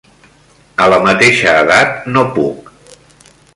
A la mateixa edat no puc.